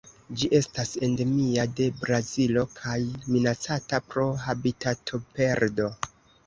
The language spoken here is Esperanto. Ĝi estas endemia de Brazilo kaj minacata pro habitatoperdo.